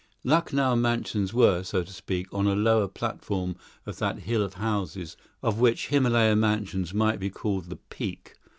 Lucknow Mansions were, so to speak, on a lower platform of that hill of houses, of which Himylaya Mansions might be called the peak.